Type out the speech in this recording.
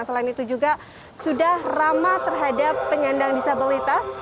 selain itu juga sudah ramah terhadap penyandang disabilitas